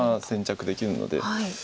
先着できるので。